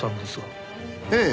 ええ。